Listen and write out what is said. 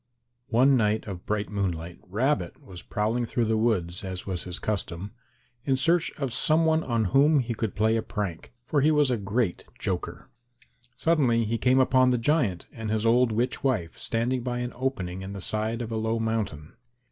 One night of bright moonlight Rabbit was prowling through the woods, as was his custom, in search of some one on whom he could play a prank, for he was a great joker. Suddenly he came upon the giant and his old witch wife standing by an opening in the side of a low mountain.